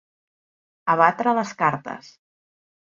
Abatre les cartes.